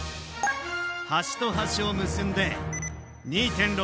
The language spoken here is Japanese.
端と端を結んで２．６９ｍ！